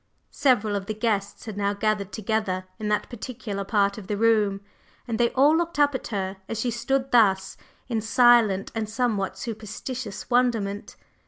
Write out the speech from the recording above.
Several of the guests had now gathered together in that particular part of the room, and they all looked up at her as she stood thus, in silent and somewhat superstitious wonderment.